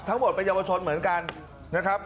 ทั้งหมดเป็นเยาวชนเหมือนกันนะครับ